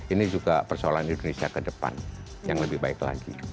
ini juga persoalan indonesia ke depan yang lebih baik lagi